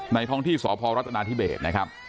ท้องที่สพรัฐนาธิเบสนะครับ